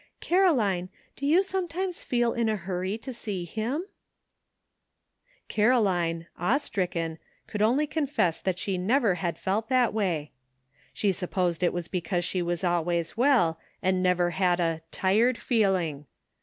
Caroline, do you sometimes feel in a hurry to see him ?" Caroline, awe stricken, could only confess that she never had felt that way ; she supposed it was because she was always well, and never had a "tired feeling."